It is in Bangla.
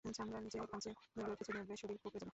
চামড়ার নিচে খামচে ধরবে ওর, খিঁচুনি উঠবে, শরীর কুঁকড়ে যাবে।